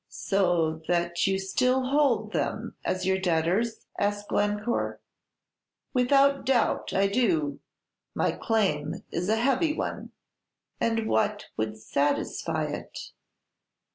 "So that you still hold them as your debtors?" asked Glencore. "Without doubt, I do; my claim is a heavy one." "And what would satisfy it?"